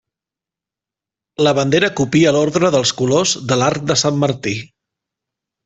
La bandera copia l'ordre dels colors de l'Arc de Sant Martí.